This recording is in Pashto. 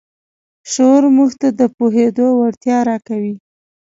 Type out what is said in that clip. شعور موږ ته د پوهېدو وړتیا راکوي.